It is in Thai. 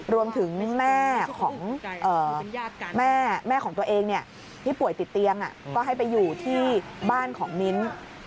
รวมถึงแม่ของแม่ของตัวเองที่ป่วยติดเตียงก็ให้ไปอยู่ที่บ้านของมิ้น